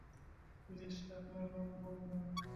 Please টাকলার নাম বলবে না।